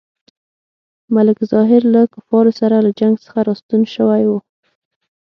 ملک ظاهر له کفارو سره له جنګ څخه راستون شوی وو.